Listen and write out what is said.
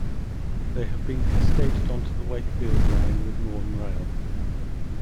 They have been cascaded onto the Wakefield Line with Northern Rail.